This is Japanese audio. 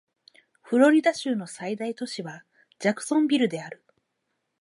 フロリダ州の最大都市はジャクソンビルである